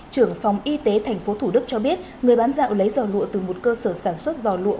trưởng phòng y tế thành phố thủ đức cho biết người bán rạo lấy giò lụa từ một cơ sở sản xuất giò lụa